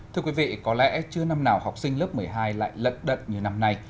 thưa quý vị có lẽ chưa năm nào học sinh lớp một mươi hai lại lận đận như năm nay